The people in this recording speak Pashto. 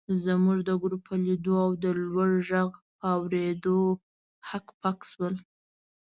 زموږ د ګروپ په لیدو او د لوړ غږ په اورېدو هک پک شول.